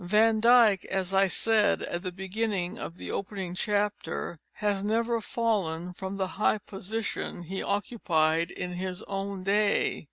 Van Dyck, as I said at the beginning of the opening chapter, has never fallen from the high position he occupied in his own day.